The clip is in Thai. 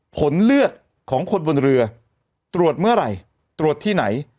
ผลเลือดของคนบนเรือตรวจเมื่อไหร่ตรวจที่ไหน